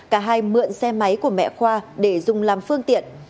cả hai mượn xe máy của mẹ khoa để dùng làm phương tiện